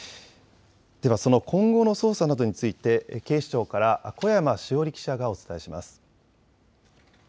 今後の捜査などについて警視庁から小山志央理記者がお伝えします。